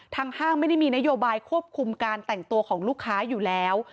ห้างไม่ได้มีนโยบายควบคุมการแต่งตัวของลูกค้าอยู่แล้ว